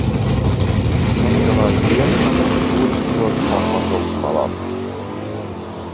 Maskavā ik dienu saplūst tūristi no visām pasaules malām.